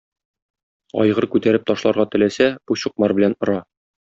Айгыр күтәреп ташларга теләсә, бу чукмар белән ора.